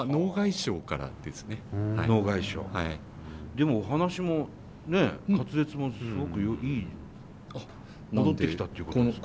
でもお話もねっ滑舌もすごくいい戻ってきたということですか？